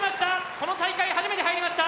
この大会初めて入りました。